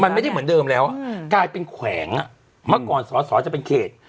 มันไม่ได้เหมือนเดิมแล้วกลายเป็นแขวงเมื่อก่อนสอสอจะเป็นเขต